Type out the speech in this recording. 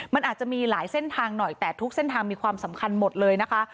มันอาจจะมีหลายเส้นทางหน่อยแต่ทุกเส้นทางมีความสำคัญหมดเลยนะคะ